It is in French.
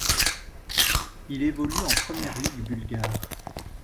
Il évolue en Première Ligue bulgare.